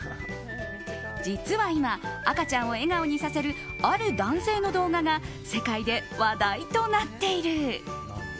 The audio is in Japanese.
実は今、赤ちゃんを笑顔にさせるある男性の動画が世界で話題となっている。